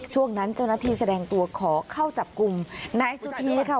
ช่วงนั้นเจ้าหน้าที่แสดงตัวขอเข้าจับกลุ่มนายสุธีค่ะ